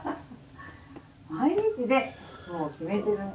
毎日ねもう決めてる。